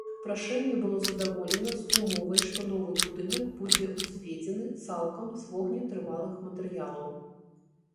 Прашэнне было задаволена з умовай, што новы будынак будзе ўзведзены цалкам з вогнетрывалых матэрыялаў.